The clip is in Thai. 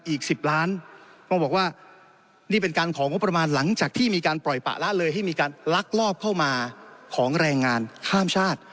อีก๑๐ล้านต้องบอกว่านี่เป็นการของงบประมาณหลังจากที่มีการปล่อยปะละเลยให้มีการลักลอบเข้ามาของแรงงานข้ามชาติ